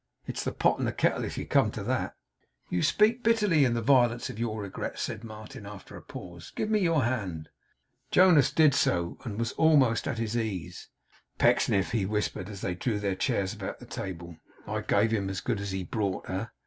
It's the pot and the kettle, if you come to that.' 'You speak bitterly, in the violence of your regret,' said Martin, after a pause. 'Give me your hand.' Jonas did so, and was almost at his ease. 'Pecksniff,' he whispered, as they drew their chairs about the table; 'I gave him as good as he brought, eh?